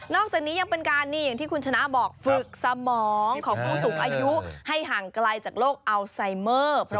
จากนี้ยังเป็นการนี่อย่างที่คุณชนะบอกฝึกสมองของผู้สูงอายุให้ห่างไกลจากโรคอัลไซเมอร์